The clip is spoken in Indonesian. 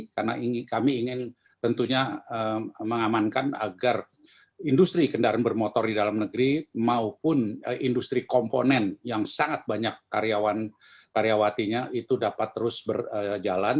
karena kami ingin tentunya mengamankan agar industri kendaraan bermotor di dalam negeri maupun industri komponen yang sangat banyak karyawatinya itu dapat terus berjalan